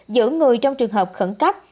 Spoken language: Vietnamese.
giữ người trong trường hợp khẩn cấp